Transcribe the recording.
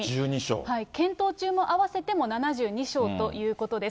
検討中も合わせても７２床ということです。